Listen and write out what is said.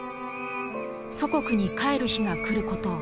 祖国に帰る日が来ることを。